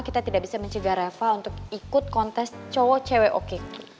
kita tidak bisa mencegah reva untuk ikut kontes cowok cewek oke ke